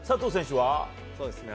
佐藤選手は？